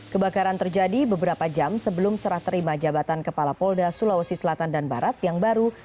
kebakaran terjadi beberapa jam sebelum serah terima jabatan kepala polda sulawesi selatan dan barat yang baru